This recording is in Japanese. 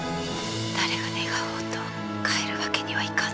誰が願おうと帰るわけにはいかぬ。